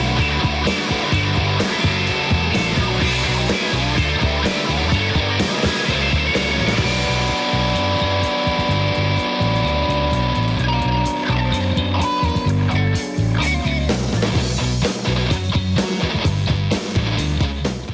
โปรดติดตามตอนต่อไป